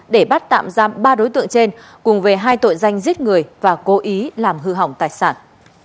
để bắt tạm giam ba đối tượng trên cùng về hai tội danh giết người và cố ý làm hư hỏng tài sản